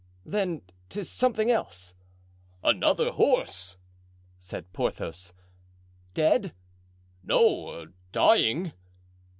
"Then 'tis something else." "Another horse!" said Porthos. "Dead?" "No, dying."